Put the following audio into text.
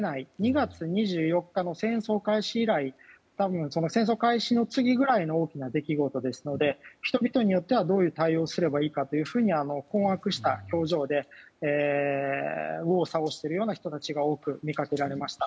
２月２４日の戦争開始以来多分、その次くらいの大きな出来事ですので人々によってはどう対応すべきか困惑した表情で右往左往しているような人たちが見られました。